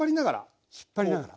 引っ張りながら。